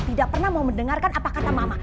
tidak pernah mau mendengarkan apa kata mama